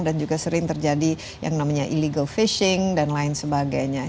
dan juga sering terjadi yang namanya illegal fishing dan lain sebagainya